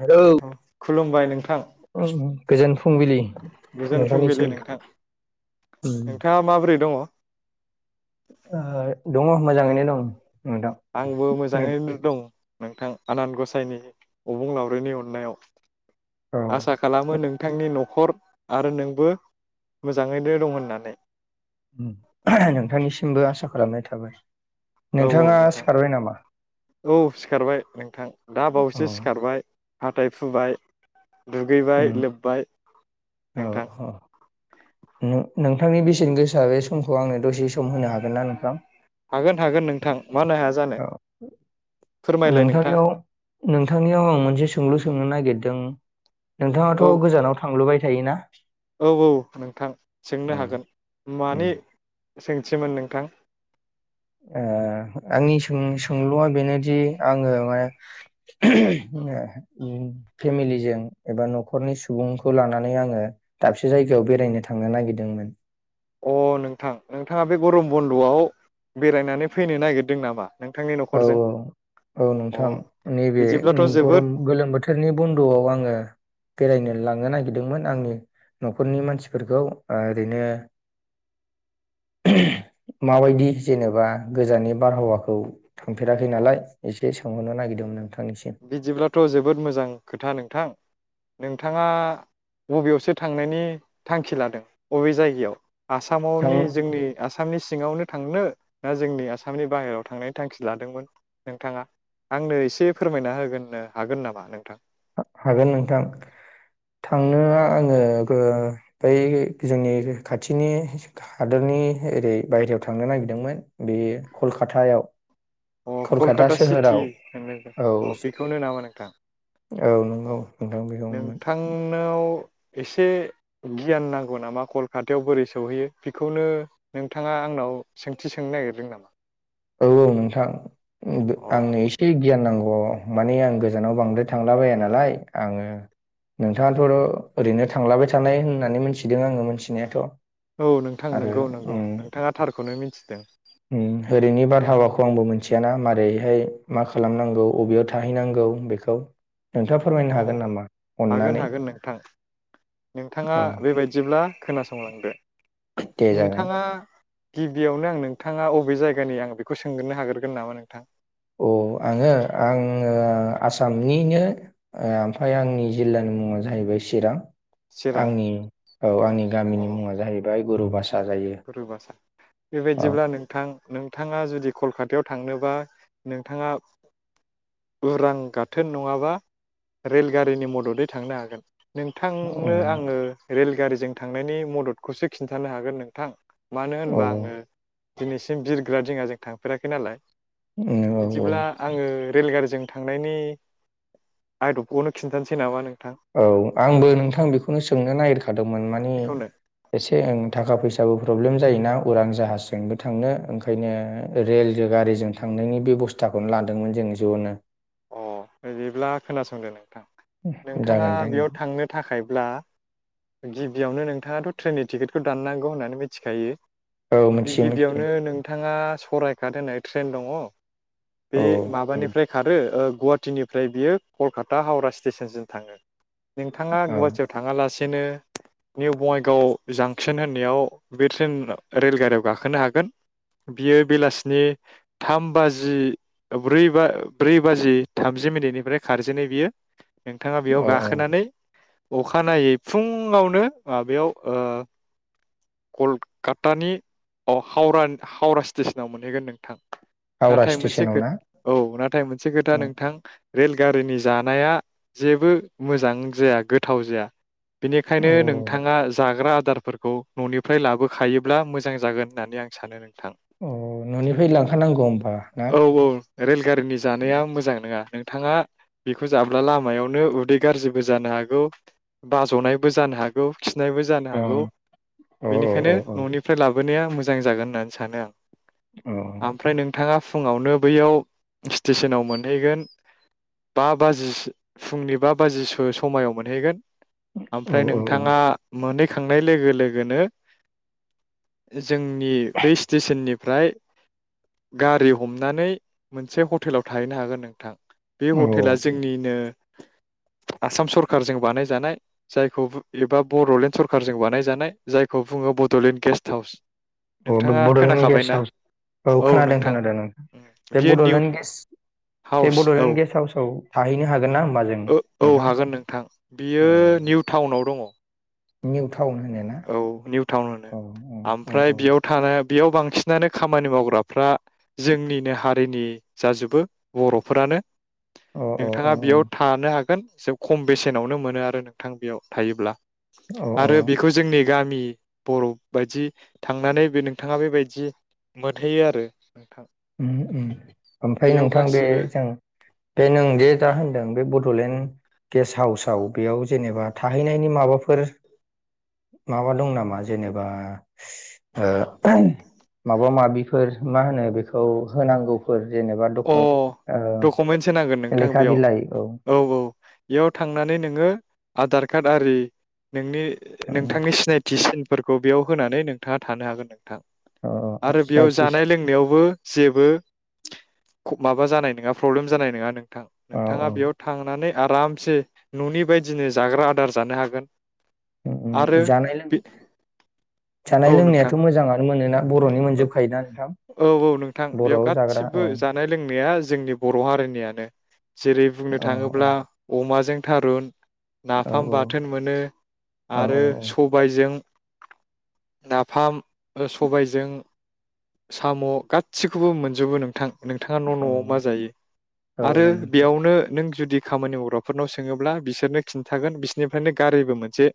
Hello खुलुमबाय नोंथां गोजोन फुं फुंबिलि गोजोन नोंथांनिसिम फुंबिलि नोंथां नोंथाङा माबोरै दङ'? ओ दङ' मोजाङैनो दं । आंबो मोजाङैनो दं नोंथां आनान गसाइनि अबं लावरिनि अननायाव औ आसा खालामो नोंथांनि न' खर आरो नोंबो मोजाङैनो दं होननानै [unintelligible] नोंथांनिसिमबो आसा खालामना थाबाय औ औ नोंथाङा नोंथां सिखारबाय नामा औ सिखारबाय नोंथां दा बावैसो औ सिखारबाय । हाथाइ फुबाय दुगैबाय लोबबाय औ नोंथां औ नो नोंथांनि बेसेन गोसा बे समखौ आंनो दसे सम होनो हागोन ना नोंथां? हागोन हागोन नोंथां मानो हाया जानो फोरमायलाय नोंथां नोंथांनियाव नोंथांनियाव आं मोनसे सोंलु सोंनो नागिरदों नोंथाङाथ' औ गोजानाव थांलुबाय थायोना औ औ नोंथां सोंनो हागोन मानि सोंथिमोन नोंथां? ओ आंनि सों सोंलुआ बेनोदि आङो [unintelligible] ओम फेमिलिजों एबा न'खरनि सुबुंखौ लानानै आङो दाबसे जायगायाव बेरायनो थांनो नागिरदोंमोन । अ नोंथां नोंथाङा बे गरम बन्द'वाव बेरायनानै फैनो नागिरदों नामा? नोंथांनि औ न'खरजों औ औ अ नोंथां नैबे बिदिब्लाथ' ओम जोबोद गरम गोलोम बोथोरनि बन्द'आव आङो बेरायनो लांनो नागिरदोंमोन आंनि न'खरनि मानसिफोरखौ ओरैनो [unintelligible] माबायदि जेनेबा गोजाननि बारहावाखौ थांफेराखै अ नालाय इसे सोंहरनो नागिरदोंमोन नोंथांनिसिम बिदिब्लाथ' जोबोद मोजां खोथा नोंथां नोंथाङा बबेयावसो थांनायनि थांखि लादों अबे जायगायाव? थां आसामावननि जोंनि आसाम सामनि सिङावनो थांनो ना जोंनि आसामनि बाहेराव थांनायनि थांखि लादोंमोन नोंथाङा आंनो एसे फोरमायना होगोन [unintelligible] हागोन नामा नोंथां? हा हागोन नोंथां थांनो आङो गो बै जोंनि खाथिनि हादोरनि ओरै बायेरायाव थांनो नागिरदोंमोन बै खलखातायाव अ कलकाता सिटि [unintelligible] औ अ बेखौनो नामा नोंथां औ नंगौ नोंथां बेखौनोमोन । नाव एसे गियान नांगौ नामा कलकातायाव बोरै सौहैयो बिखौनो नोंथाङा आंनाव सोंथि सोंनो नागिरदों नामा? औ - औ नोंथां अ आंनो एसे गियान नांगौ अ माने आं गोजानाव बांद्राय थांला बाया नालाय आंङो नोंथांङाथ' ओरैनो थांलाबाय थानाय होननानै मिथिदों आंङो मिथिनायाथ' औ नोंथां आरो नंगौ - नंगौ उम नोंथांङा थारखौनो मिथिदों उम ओरैनि बारहावाखौ आंबो मोनथियाना मारोरैहाय मा खालामनांगौ बबेयाव थाहैनांगौ बेखौ नोंथाङा फोरमायनो अ हागोन नामा हागोन अननानै हागोन नोंथां नोंथांङा अ बेबायदिब्ला खोनासंलांदो दे जागोन नोंथांङा गिबियावनो आं नोंथांङा अबे जायगानि आं बेखौ सोंगोरो हाग्रगोन नामा नोंथां औ आंङो आंङो आसामनिनो ओमफ्राय आंनि जिल्लानि मुंङा जाहैबाय चिरां चिरां आंनि औ आंनि अ गामिनि मुंङा जाहैबाय गुरुबास [unintelligible] बेबायदिब्ला नोंथां नोंथांङा जुदि कलकातायाव थांनोबा नोंथाङा उरां गाथोन नंङाबा रेलगारिनि मदरै थांनो हागोन औ नोंथांनो आंङो रेलगारिजों थांनायनि मददखौसो खिन्थानो हागोन नों थां मानो औ होनबा आंङो दिनैसिम बिर खंदिङाजों थांफेराखै नालाय औ औ बिदिब्ला आंङो रेलगारिजों थांनायनि आदबखौनो खिन्थानोसै नामा नों औ आंबो नोंथां बेखौनो सोंनो नागिरखा दोंमोन माने बेखौनो एसे थाखा फैसाबो प्रब्लेम जायोना उरां जाहाजजोंबो थांनो ओंखायनो रेलजों गारिजों थांनायनि बेब'स्थाखौनो लादोंमोन जों ज'नो अ बिदिब्ला खोनासंदो नोंथां नोंथाङा जागोन दे बेयाव थांनो थाखायब्ला गिबियावनो नोंथाङाथ' ट्रेननि टिकेटखौ दाननांगौ होननानै मिथिखायो औ गिबि मिथियो मिथियो गिबियावनो नोंथांङा सरायगाट होननाय ट्रेन दङो औ बे माबानिफ्राय खारो ओ गुवाहाटिनिफ्राय बियो कलकाता हावरा स्टेसनसिम थाङो नोंथाङा औ गुवाहाटियाव थांङालासे बिदिनो निउ बङाइगाव जांसन होननायाव बे ट्रेन रेलगारियाव गाखोनो हागोन बियो बेलासिनि थाम बाजि ब्रै बाजि थामजि मिनिटनिफ्राय खारजेनो बियो नोंथांङा बेयाव औ औ गाखोनानै अखानायै फुङावनो माबायाव ओ कलकातानि हाव हावरा स्टेसनाव मोनहैगोन नोंथां हावरा नाथाय मोनसे स्टेसनाव खो ना औ नाथाय मोनसे खोथा नोंथां रेलगारिनि जानाया जेबो मोजां जाया गोथाव जाया बेनिखायनो औ नोंथाङा जाग्रा आदारफोरखौ न'निफ्राय लाबोखायोब्ला मोजां जागोन होननानै आं सानो नों थां औ न'निफ्राय लांखानांगौ होमबा ना औ-औ रेलगारिनि जानाया मोजां नङा नोंथाङा बेखौ जाब्ला लामायावनो उदै गाज्रिबो जानो हागौ बाज'नायबो जानो हागौ खिनायबो जानो औ हागौ औ बेनिखायनो औ औ न'निफ्राय ला बोनाया मोजां जागोन होननानै सानो आं ओमफ्राय नोंथाङा फुङावनो बैयाव स्टेसनाव मोनहैगोन बा बाजिसो फुंनि बा बाजिसो समायाव मोनहैगोन औ ओमफ्राय नोंथाङा मोनै खांनाय लोगो लोगो लोगोनो जोंनि बै स्टेसननिफ्राय गारि हमनानै मोनसे हटेलाव थाहैनो हागोन नोंथां बे औ हटेला औ जोंनिनो आसाम सरखारजों बानायजानाय जायखौ एबा बड'लेण्ड सरखारजों बानायजानाय जायखौ बुङो बड'लेण्ड गेस्ट हाउस औ बे नोंथाङा बड'लेण्ड खोनाखाबाय गेस्ट ना हाउस औ खोनादों खोनादों ओं बे बियो निउ बड'लेण्ड बे हाउस औ बड'लेण्ड गेस्ट हाउसाव थाहैनो हागोनना होमबा जों औ नोंथां हागोन नोंथां बियो औ निउ टाउनाव दङ औ निउ टाउन होनो अ अ ओमफ्राय अ बेयाव था बेयाव बांसिनानो खामानि मावग्राफ्रा जोंनिनो हारिनि जाजोबो बर'फोरानो अ अ नोंथाङा बेयाव थानो हागोन एसे खम बेसेनावनो मोनो आरो नोंथां बेयाव थायोब्ला अ अ आरो बेखौ जोंनि गामि बर' बायदि थांनानै बे नोंथाङा बेबायदि मोनहैयो आरो नोंथां ओम ओम ओमफ्राय बेयाव नोंथां बे गासिबो जों बे नों दे दा होनदों बे ब बड'लेण्ड गेस्ट हाउसाव बेयाव जेनेबा थाहैनायनि माबाफोर माबा दं नामा जेनेबा माबा माबिफोर मा होनो बे खौ होनांगौफोर अ ओ डकुमेन्टस होनांगोन नोंथां लेखा बिलाइ औ बेयाव औ-औ बेयाव थांनानै नोङो आधार [unintelligible] नोंनि उम नोंथांनि सिनायथि सिन फोरखौ बेयाव होनानै नोंथाङा थानो हागोन नोंथां अ अ आरो बेयाव सिनायथि जानाय लोंनायावबो जेबो माबा जानाय नङा प्रब्लेम जानाय नङा नों थां औ औ नोंथाङा बेयाव थांनानै आरामसे न'नि बायदिनो जाग्रा आदार जानो हागोन उम उम आरो जानाय लों बे औ जानाय नोंथां लोंनायाथ मोजाङानो मोनोना बर'नि मोनजोबखायोना नोंथां औ औ नोंथां बेयाव बर'वाव जाग्रा गासिबो औ जानाय लोंनाया जोंनि बर' हारिनियनो जेरै बुंनो औ थाङोब्ला अमाजों थारुन औ नाफाम बाथोन मोनो औ आरो सबायजों नाफाम सबायजों साम गासिखौबो मोनजोबो नोंथां नोंथाङा न' औ न'वाव मा जायो? औ आरो नोंथां बेयावनो नों जुदि खामानि मावग्राफोरनाव सोङोब्ला बिसोरनो खिन्थागोन बिसोरनिफ्रायनो गारिबो मोनसे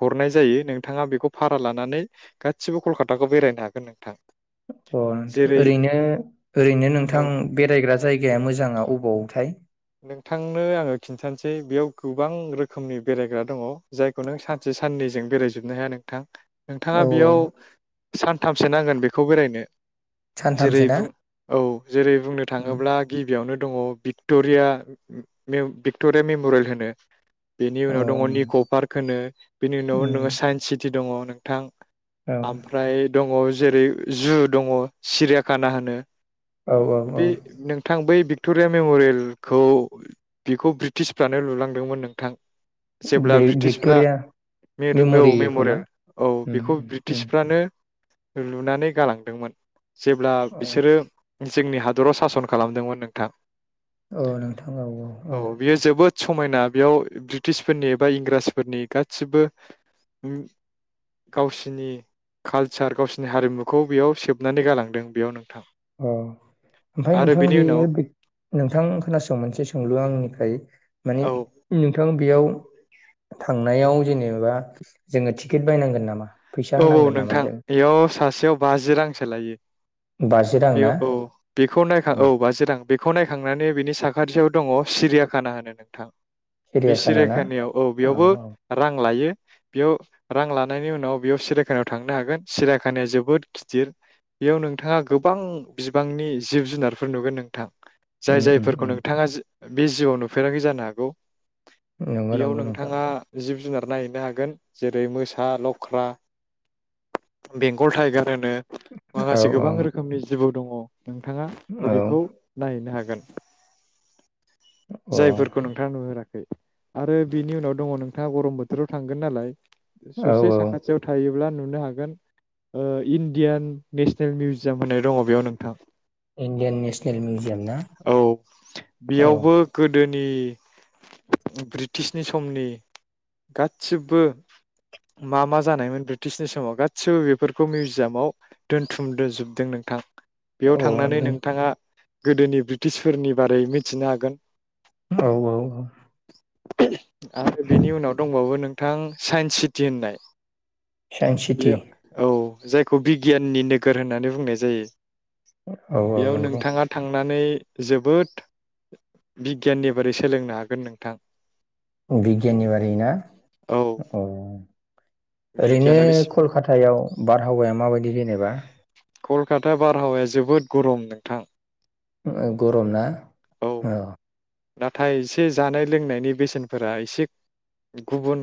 हरनाय जायो नोंथाङा बेखौ भारा लानानै गासिबो कलकाताखौ बेरायनो हागोन नोंथां अ नोंथां जेरै ओरैनो ओरै नो नोंथां औ बेरायग्रा जायगाया मोजांङा अ वथाय नोंथांनो आङो खिन्थानोसै बेयाव गोबां रोखोमनि बेरायग्रा दङ जायखौ नों सानसे साननैजों बेरायजोबनो हाया नोंथां नोंथाङा औ बेयाव औ सानथामसो नांगोन बेखौ बेरायनो सानथामसो जेरै ना? बुं औ जेरै बुंनो उम थाङोब्ला गिबियावनो दङ बिगटट [unintelligible] भिक्ट'रिया मेमरियेल होनो बेनि औ उनाव दङ निक पार्क होनो बेनि उनाव नोङो उम साइन्स सिटि दङ नोंथां औ आमफ्राय दङ जेरै जु दङ सिरियाखाना होनो औ औ औ बे नोंथां बै भिक्टरिया मेमरियेल खौ बेखौ ब्रिटिसफोरानो लुलांदोंमोन नोंथां जेब्ला बे ब्रिटिसफोरा भिक्ट'रिया औ मेम'रियेलखौ ना? मेमरियेल औ उम बेखौ उम उम ब्रिटिसफोरानो लुनानै गालांदोंमोन जेब्ला औ बिसोरो जोंनि हादराव सासन खालामदोंमोन नोंथां औ नोंथां औ औ औ बियो जोबोद समायना बेयाव ब्रिटिसफोरनि एबा इंराजफोरनि गासिबो गावसिनि कालचार गावसिनि हारिमुखौ बेयाव सेबनानै गालांदों बेयाव नों अ ओमफ्राय नोंथां बेनि बेयो उनाव नोंथां खोनासं मोनसे सोंलु आंनिफ्राय माने औ नोंथाङा बेयाव थांनायाव जेनेबा जोङो टिकेट बायनांगोन नामा? फैसा औ औ होनांगोन नामा नोंथां जों बेयाव सासे सेयाव बाजि रांसो लायो बाजि रां ना बेयाव औ बेखौ नायखां औ बाजि रां बेखौ नायखां थांनानै बिनि साखाथियाव दङ सिरियााखाना होनो नोंथां बे सिरियाखाना ना सिरायखानियाव औ बेयावबो रां लायो बेयाव रां लानायनि उनाव बेयाव सिरियाखानायायाव थांनो हागोन सिरायखानाया जोबोद गिदिर बेयाव नोंथाङा गोबां बिबांनि जिब जुनारफोर नुगोन नोंथां जाय उम उम जायफोरखौ उम नोंथाङा बे जिउआव नुफेराखै जानो हागौ नंगौ बेयाव नंगौ नोंथां नोंथाङा जिब जुनार नायहैनो हागोन जेरै मोसा लख्रा बेंगल टाइगार औ माखासे गोबां रोखोमनि जिबौ दङ नोंथाङा औ बेखौ नायहैनो हागोन जागोन औ जायफोरखौ नोंथाङा नुहुराखै आरो बिनि उनाव दङ नोंथाङा गरम बोथोराव थांगोन नालाय औ ससे औ साखा थायोब्ला नुनो हागोन इण्डियान नेसनेल मिउजियाम होननाय दङ बेयाव नोंथां इण्डियान नेसनेल मिउजियाम ना अ दोनि ब्रिटिशनि समनि गादसिबो मा मा जानायमोन ब्रिटिशनि समाव गादसिबो बेफोरखौ मिउजियामाव दोन्थुम दजोबदों नोंथां बेयाव औ थांनानै नोंथाङा गोदोनि ब्रिटिशफोरनि बारै मिथिनो हागोन औ औ औ [unintelligible] आरो बेनि उनाव दंबावो नों नोंथां साइन्स सिटि होननाय साइन्स सिटि बेयो औ जायखौ बिगियाननि नोगोर होननानै बुंनाय जायो औ औ बेयाव नंगौ नोंथाङा थांनानै जोबोद बिगियाननि बारै सोलोंनो हागोन नोंथां बिगियाननि बारै ना औ ओरैनो बिगियाना बेसे कलकातायाव बारहावाया माबायदि जे नेबा कलकाता बारहावाया जोबोद गरम नोंथां ओ गरम ना औ नाथाय एसे जानाय लोंनायनि बेसेनफोरा एसे गुबुन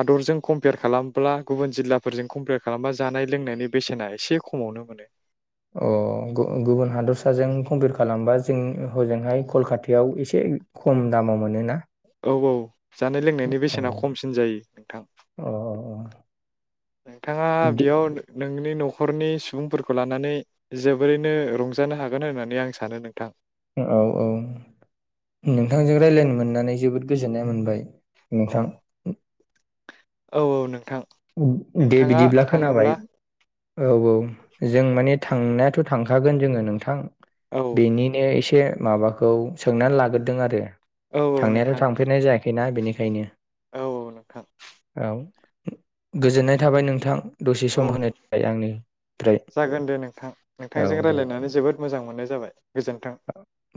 हादरजों कमपियार खालामब्ला गुबुन जिल्लाफोरजों कम्पियार खालामबा जानाय लोंनायनि बेसेना एसे खमावनो मोनो। अ गुबुन हादरसाजों कम्पियार खालामबा जों हजोंहाय कलकातायाव एसे खम दामाव मोनोना औ औ जानाय लोंनायनि अ बेसेना खमसिन जायो नोंथां अ अ नोंथाङा दि बेयाव नोंनि न'खरनि सुबुंफोरखौ लानानै जोबोरैनो रंजानो हागोन होननानै आं सानो नोंथां औ औ नोंथांजों रायलायनो मोननानै जोबोद गोजोननाय मोनबाय औ नोंथां औ औ नों दे बिदिब्ला खोनाबाय औ औ जों माने थांनायाथ' थांखागोन जोङो नोंथां औ बेनिनो एसे माबाखौ सोंनानै लाग्रोदों आरो औ नोंथां थांनायाथ' थांफेरनाय जायाखैना बेनि खायनो औ नोंथां औ गोजोननाय थाबाय नोंथां दसे औ सम होनो थाखाय आंनिफ्राय जागोन दे नोंथां नोंथांजों रायलायनानै जोबोद मोजां मोननाय जाबाय गोजोन्थों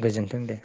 गोजोनथों दे